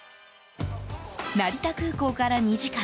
成田空港から２時間。